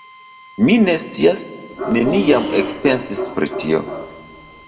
Mi ne scias, neniam ekpensis pri tio.